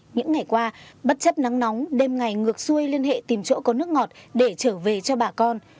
những ngày qua bất chấp nắng nóng đêm ngày ngược xuôi liên hệ tìm chỗ có nước ngọt để trở về cho bà con